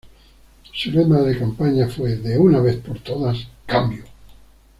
Su lema de campaña fue "De una vez por todas, cambio".